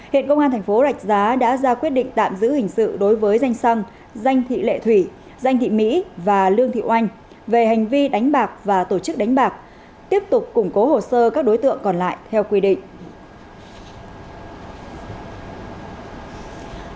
hiện công an thành phố rạch giá đã ra quyết định tạm giữ hình sự đối với danh xăng danh thị lệ thủy danh thị mỹ và lương thị oanh về hành vi đánh bạc và tổ chức đánh bạc tiếp tục củng cố hồ sơ các đối tượng còn lại theo quy định